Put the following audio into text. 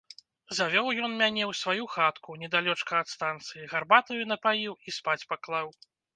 Завёў ён мяне ў сваю хатку, недалёчка ад станцыі, гарбатаю напаіў і спаць паклаў.